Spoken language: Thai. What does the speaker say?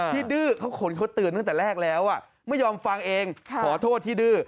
ดื้อเขาขนเขาเตือนตั้งแต่แรกแล้วไม่ยอมฟังเองขอโทษที่ดื้อ